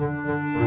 ya udah aku tunggu